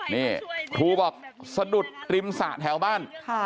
นี่ครูบอกสะดุดริมสระแถวบ้าน